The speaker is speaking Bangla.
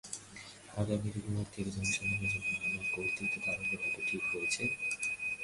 আগামী রবিবার থেকে জনসাধারণের জন্য আমার বক্তৃতা আরম্ভ হবে, ঠিক হয়েছে।